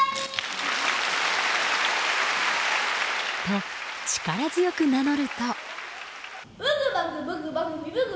と、力強く名乗ると。